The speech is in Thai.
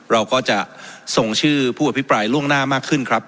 เราก็จะส่งชื่อผู้อภิปรายล่วงหน้ามากขึ้นครับ